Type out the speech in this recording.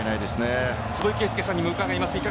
坪井慶介さんにも伺います。